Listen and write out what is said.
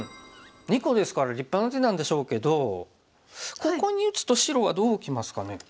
２個ですから立派な手なんでしょうけどここに打つと白はどうきますかね？